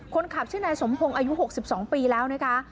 คนขับชื่อนายสมพงศ์อายุ๖๒ปีแล้วนะคะ